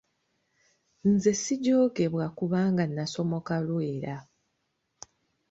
Nze sijoogebwa kubanga nnasamoka Lwera.